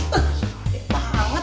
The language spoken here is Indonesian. aduh sakit banget